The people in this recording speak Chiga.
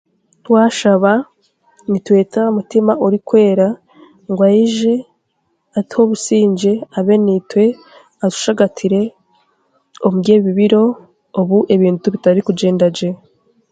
Twashaaba nitweeta mutima orikwera ngu ayije, atuhe obusingye abe n'eitwe, atushagatire omu ry'ebi biiro obu ebintu bitari kugyenda gye.